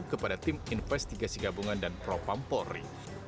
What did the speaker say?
kepada tim investigasi gabungan dan propampolri